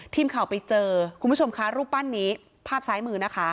ทีมข่าวไปเจอคุณผู้ชมค่ะรูปปั้นนี้ภาพซ้ายมือนะคะ